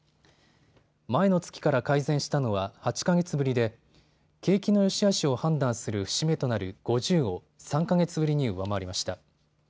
前の月から改善したのは８か月ぶりで景気のよしあしを判断する節目となる５０を３か月ぶりに上回りました。